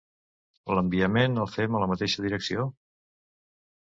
L'enviament el fem a la mateixa direcció?